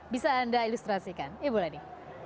bisa anda ilustrasikan ibu lady